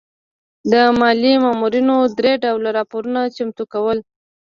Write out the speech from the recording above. د مالیې مامورینو درې ډوله راپورونه چمتو کول.